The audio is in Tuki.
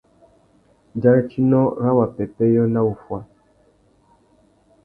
Dzarétinô râ wa pêpêyô na wuffuá.